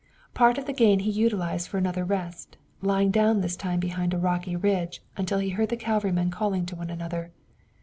Part of the gain he utilized for another rest, lying down this time behind a rocky ridge until he heard the cavalrymen calling to one another.